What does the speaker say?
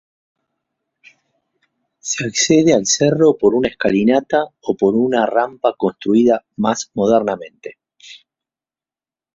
Se accede al cerro por una escalinata o por una rampa construida más modernamente.